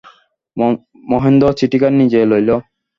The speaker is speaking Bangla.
মহেন্দ্র চিঠিখানি নিজে লইল।